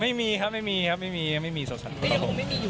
ไม่มีครับไม่มีครับไม่มีไม่มีสดสันด้วยครับผม